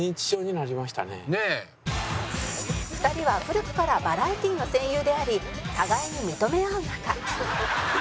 「２人は古くからバラエティの戦友であり互いに認め合う仲」